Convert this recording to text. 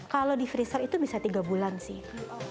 kalau di freezer itu bisa tiga bulan sih